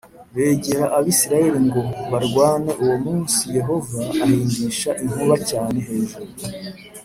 begera Abisirayeli ngo barwane Uwo munsi Yehova ahindisha inkuba cyane hejuru